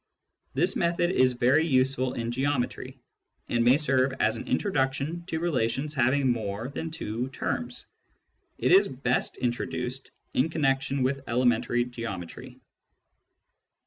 This method is very useful in geometry, and may serve as an introduction to relations having more than two terms ; it is best introduced in connection with elementary geometry.